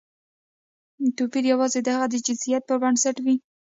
توپیر یوازې د هغوی د جنسیت پر بنسټ وي.